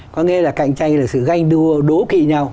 có nghĩa là cạnh tranh là sự ganh đua đố kị nhau